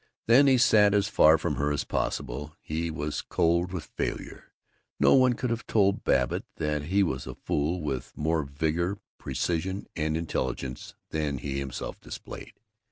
Then he sat as far from her as possible. He was cold with failure. No one could have told Babbitt that he was a fool with more vigor, precision, and intelligence than he himself displayed.